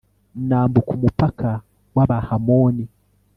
nambuka umupaka w'abahamoni